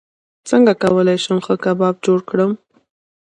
څنګه کولی شم ښه کباب جوړ کړم